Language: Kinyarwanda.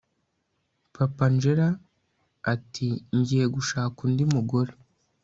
papa angella ati ngiye gushaka undi mugore